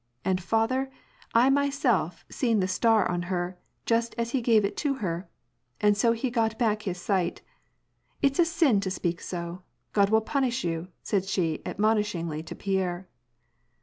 And, father, I myself seen the star on her, just as he gave it to her. And so he got back his sight It*8 a sin to speak so ! God will punish you," said she admonish ingly to Pierre.